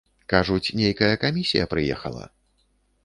Кажуць, нейкая камісія прыехала?